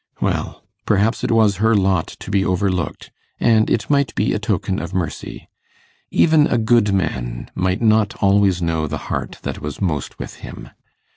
Well! perhaps it was her lot to be overlooked and it might be a token of mercy. Even a good man might not always know the heart that was most with him.